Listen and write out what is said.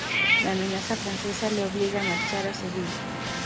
La amenaza francesa le obliga a marchar a Sevilla.